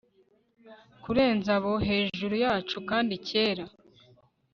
kurenza abo hejuru yacu, kandi cyera